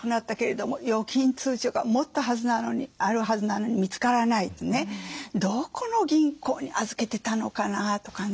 どこの銀行に預けてたのかな？とかね。